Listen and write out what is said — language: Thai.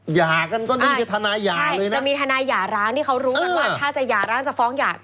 หย่ากันก็นี่คือทนายหย่าเลยนะจะมีทนายหย่าร้างที่เขารู้กันว่าถ้าจะหย่าร้างจะฟ้องหย่า